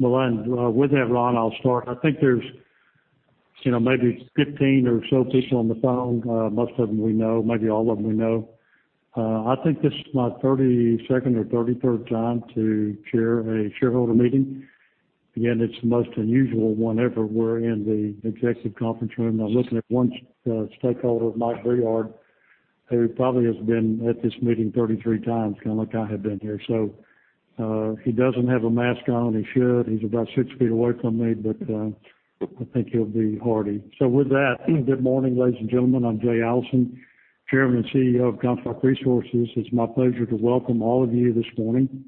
With that, Ron, I'll start. I think there's maybe 15 or so people on the phone. Most of them we know, maybe all of them we know. I think this is my 32nd or 33rd time to chair a shareholder meeting. It's the most unusual one ever. We're in the executive conference room, and I'm looking at one stakeholder, Mike Breard, who probably has been at this meeting 33 times, kind of like I have been here. He doesn't have a mask on. He should. He's about six feet away from me, but I think he'll be hardy. With that, good morning, ladies and gentlemen. I'm Jay Allison, Chairman and CEO of Comstock Resources. It's my pleasure to welcome all of you this morning.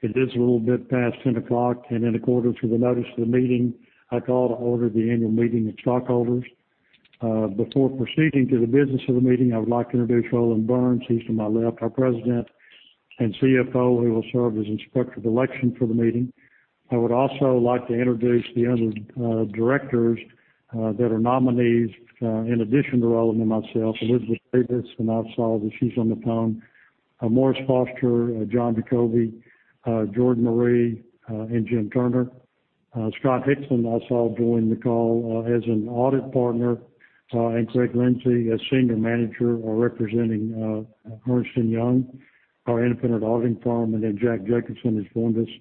It is a little bit past 10 o'clock. In accordance with the notice of the meeting, I call to order the annual meeting of stockholders. Before proceeding to the business of the meeting, I would like to introduce Roland Burns. He's to my left, our President and CFO, who will serve as Inspector of Election for the meeting. I would also like to introduce the other directors that are nominees in addition to Roland and myself. Elizabeth Davis, whom I saw that she's on the phone. Morris Foster, John Jacobi, Jordan Marye, and Jim Turner. Scott Hixon, I saw join the call as an audit partner, and Craig Lindsay, a senior manager, are representing Ernst & Young, our independent auditing firm. Jack Jacobsen has joined us.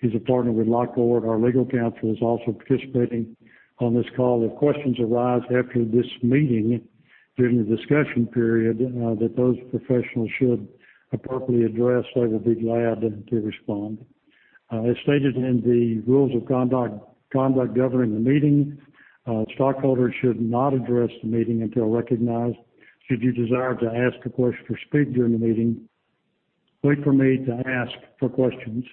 He's a partner with Locke Lord, our legal counsel, is also participating on this call. If questions arise after this meeting during the discussion period that those professionals should appropriately address, they will be glad to respond. As stated in the rules of conduct governing the meeting, stockholders should not address the meeting until recognized. Should you desire to ask a question or speak during the meeting, wait for me to ask for questions.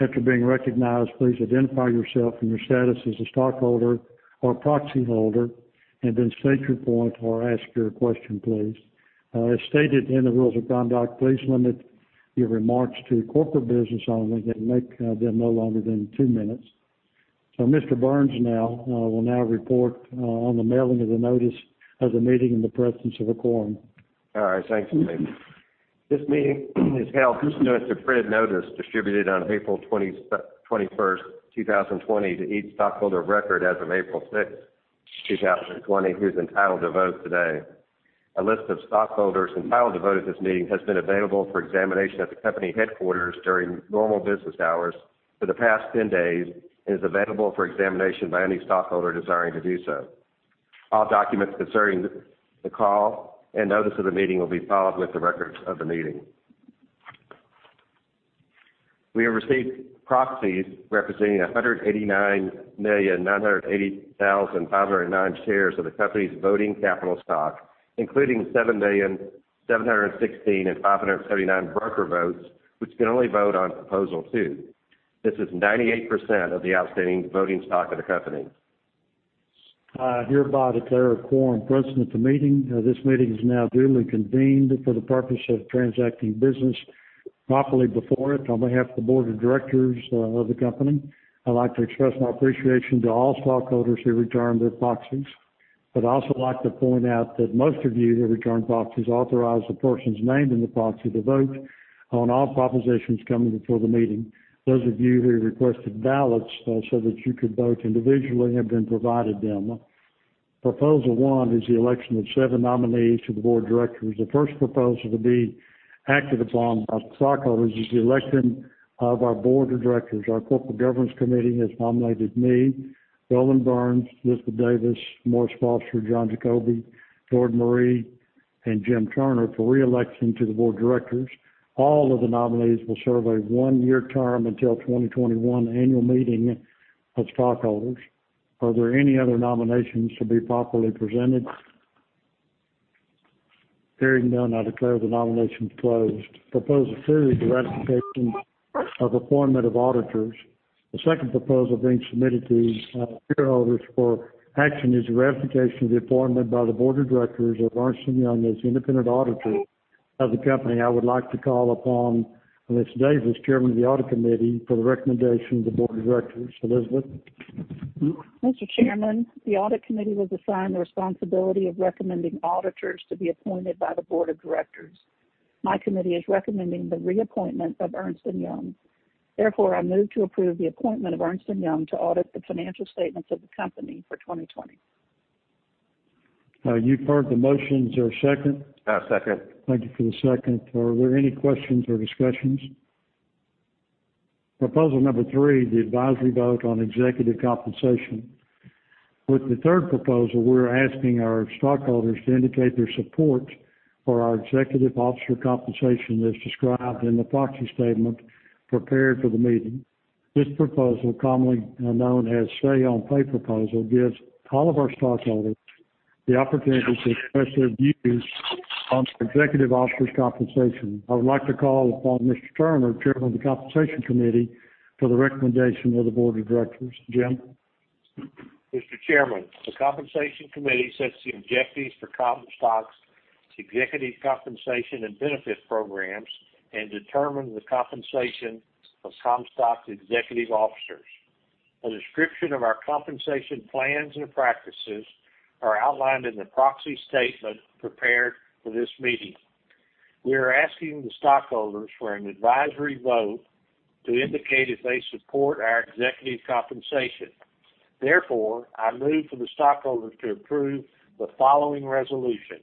After being recognized, please identify yourself and your status as a stockholder or proxy holder, and then state your point or ask your question, please. As stated in the rules of conduct, please limit your remarks to corporate business only and make them no longer than two minutes. Mr. Burns will now report on the mailing of the notice of the meeting in the presence of a quorum. All right. Thanks, Jay. This meeting is held pursuant to printed notice distributed on April 21st, 2020, to each stockholder of record as of April 6th, 2020, who's entitled to vote today. A list of stockholders entitled to vote at this meeting has been available for examination at the company headquarters during normal business hours for the past 10 days and is available for examination by any stockholder desiring to do so. All documents concerning the call and notice of the meeting will be filed with the records of the meeting. We have received proxies representing 189,980,509 shares of the company's voting capital stock, including 7,716,579 broker votes, which can only vote on proposal two. This is 98% of the outstanding voting stock of the company. I hereby declare a quorum present at the meeting. This meeting is now duly convened for the purpose of transacting business properly before it. On behalf of the board of directors of the company, I'd like to express my appreciation to all stockholders who returned their proxies. I'd also like to point out that most of you who returned proxies authorized the persons named in the proxy to vote on all propositions coming before the meeting. Those of you who requested ballots so that you could vote individually have been provided them. Proposal one is the election of seven nominees to the board of directors. The first proposal to be acted upon by stockholders is the election of our board of directors. Our Corporate Governance Committee has nominated me, Roland Burns, Elizabeth Davis, Morris Foster, John Jacobi, Jordan Marye, and Jim Turner for re-election to the board of directors. All of the nominees will serve a one-year term until the 2021 annual meeting of stockholders. Are there any other nominations to be properly presented? Hearing none, I declare the nominations closed. Proposal two is the ratification of appointment of auditors. The second proposal being submitted to shareholders for action is the ratification of the appointment by the board of directors of Ernst & Young as independent auditor of the company. I would like to call upon Ms. Davis, Chairman of the Audit Committee, for the recommendation of the board of directors. Elizabeth? Mr. Chairman, the Audit Committee was assigned the responsibility of recommending auditors to be appointed by the board of directors. My committee is recommending the reappointment of Ernst & Young. Therefore, I move to approve the appointment of Ernst & Young to audit the financial statements of the company for 2020. You've heard the motions. Is there a second? I second. Thank you for the second. Are there any questions or discussions? Proposal number three, the advisory vote on executive compensation. With the third proposal, we are asking our stockholders to indicate their support for our executive officer compensation as described in the proxy statement prepared for the meeting. This proposal, commonly known as say on pay proposal, gives all of our stockholders the opportunity to express their views on executive officers' compensation. I would like to call upon Mr. Turner, Chairman of the Compensation Committee, for the recommendation of the board of directors. Jim? Mr. Chairman, the Compensation Committee sets the objectives for Comstock's executive compensation and benefit programs and determine the compensation of Comstock's executive officers. A description of our compensation plans and practices are outlined in the proxy statement prepared for this meeting. We are asking the stockholders for an advisory vote to indicate if they support our executive compensation. I move for the stockholders to approve the following resolution.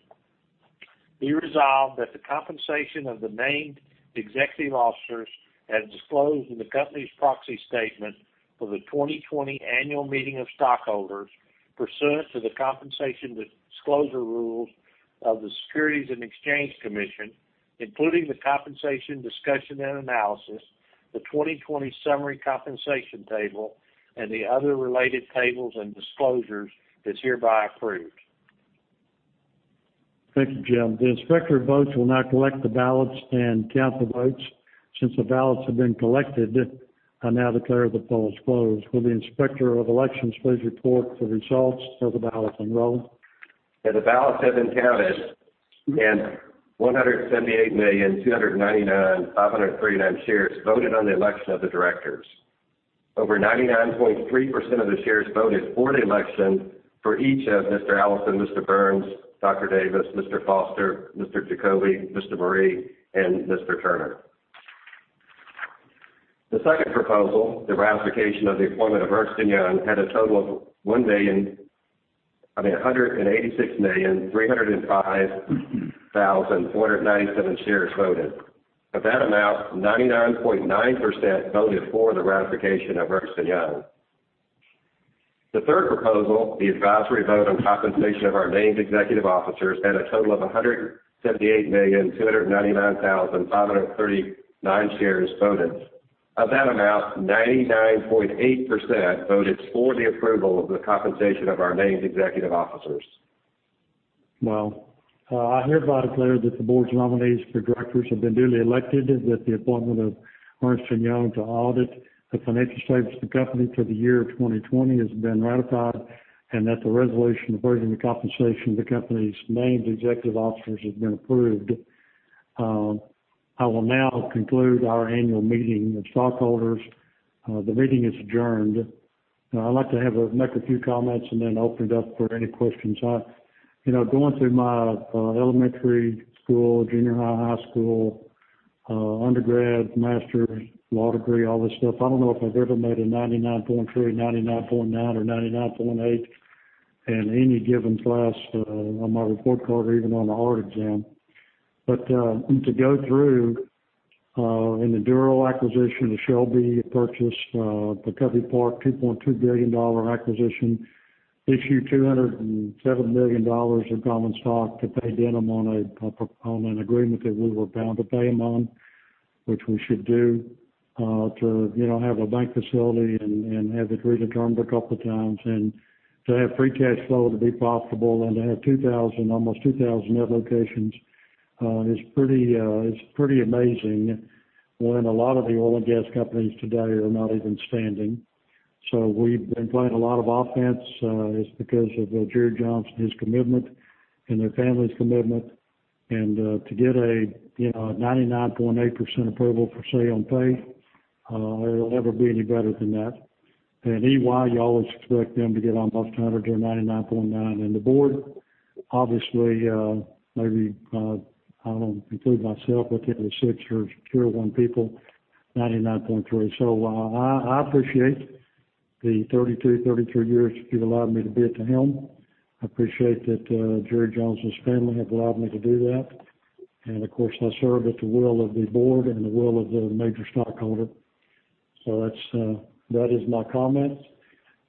Be resolved that the compensation of the named executive officers, as disclosed in the company's proxy statement for the 2020 annual meeting of stockholders pursuant to the compensation disclosure rules of the Securities and Exchange Commission, including the compensation discussion and analysis, the 2020 summary compensation table, and the other related tables and disclosures, is hereby approved. Thank you, Jim. The Inspector of Election will now collect the ballots and count the votes. Since the ballots have been collected, I now declare the polls closed. Will the Inspector of Election please report the results of the ballot poll? The ballots have been counted, 178,299,539 shares voted on the election of the directors. Over 99.3% of the shares voted for the election for each of Mr. Allison, Mr. Burns, Dr. Davis, Mr. Foster, Mr. Jacobi, Mr. Marye, and Mr. Turner. The second proposal, the ratification of the appointment of Ernst & Young, had a total of 186,305,497 shares voted. Of that amount, 99.9% voted for the ratification of Ernst & Young. The third proposal, the advisory vote on compensation of our named executive officers, had a total of 178,299,539 shares voted. Of that amount, 99.8% voted for the approval of the compensation of our named executive officers. Well, I hereby declare that the board's nominees for directors have been duly elected, that the appointment of Ernst & Young to audit the financial statements of the company for the year 2020 has been ratified, and that the resolution approving the compensation of the company's named executive officers has been approved. I will now conclude our annual meeting of stockholders. The meeting is adjourned. I'd like to make a few comments and then open it up for any questions. Going through my elementary school, junior high, high school, undergrad, master's, law degree, all this stuff, I don't know if I've ever made a 99.3, 99.9, or 99.8 in any given class on my report card or even on a hard exam. To go through in the Durham acquisition, the Shelby purchase, the Covey Park $2.2 billion acquisition, issue $207 million of common stock to pay Denham on an agreement that we were bound to pay them on, which we should do to have a bank facility and have it redetermined a couple times, and to have free cash flow, to be profitable, and to have almost 2,000 net locations is pretty amazing when a lot of the oil and gas companies today are not even standing. We've been playing a lot of offense. It's because of Jerry Jones, his commitment, and their family's commitment. To get a 99.8% approval for say on pay, it'll never be any better than that. EY, you always expect them to get almost 100 or 99.9. The board obviously, maybe I'll include myself with the other six or two of one people, 99.3. I appreciate the 32, 33 years you've allowed me to be at the helm. I appreciate that Jerry Jones's family have allowed me to do that. Of course, I serve at the will of the board and the will of the major stockholder. That is my comment,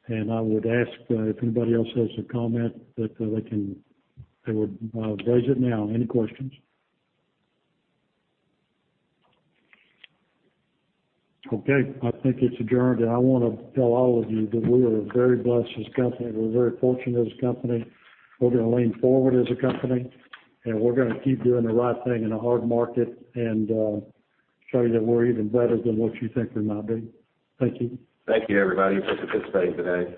and I would ask if anybody else has a comment, that they would raise it now. Any questions? Okay, I think it's adjourned, and I want to tell all of you that we are very blessed as a company. We're very fortunate as a company. We're going to lean forward as a company, and we're going to keep doing the right thing in a hard market and show you that we're even better than what you think we might be. Thank you. Thank you, everybody, for participating today.